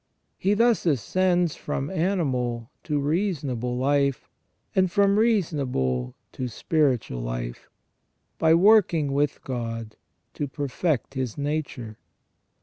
He thus ascends from animal to reasonable life, and from reasonable to spiritual life, by working with God to perfect his nature.